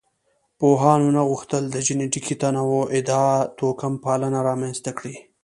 پوهانو نه غوښتل د جینټیکي تنوع ادعا توکمپالنه رامنځ ته کړي.